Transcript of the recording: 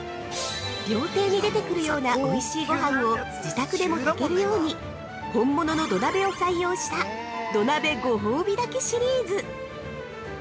◆料亭に出てくるようなおいしいごはんを自宅でも炊けるように本物の土鍋を採用した土鍋ご泡火炊きシリーズ。